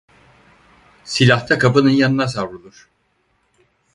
Silah da kapının yanına savrulur.